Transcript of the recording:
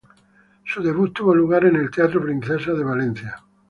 Su debut tuvo lugar en el Teatro Princesa de Valencia.